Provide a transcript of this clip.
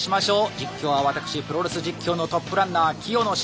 実況は私プロレス実況のトップランナー清野茂樹です。